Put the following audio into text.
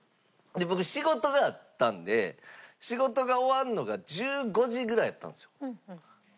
僕仕事があったので仕事が終わるのが１５時ぐらいやったんですよ。